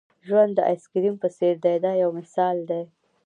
ژوند د آیس کریم په څېر دی دا یو مثال دی.